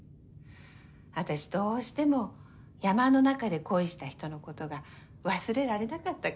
私どうしても山の中で恋した人のことが忘れられなかったから。